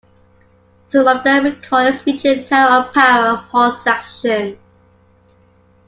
Some of their recordings feature the Tower of Power horn section.